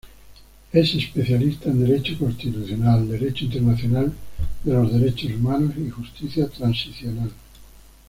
Es especialista en derecho constitucional, derecho internacional de los derechos humanos y justicia transicional.